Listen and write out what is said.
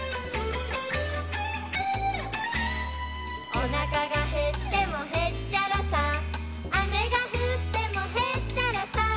「おなかがへってもへっちゃらさ」「雨が降ってもへっちゃらさ」